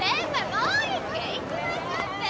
もう１軒行きましょって！